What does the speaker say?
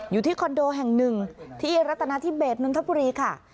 อยู่ที่คอนโดแห่งหนึ่งที่นุญธปุรีค่ะ